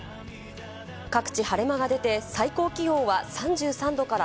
各地、晴れ間が出て最高気温は３３度から